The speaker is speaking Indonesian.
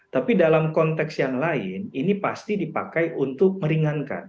tapi dalam konteks yang lain ini pasti dipakai untuk meringankan